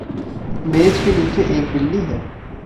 मेज़ के नीचे एक बिल्ली है।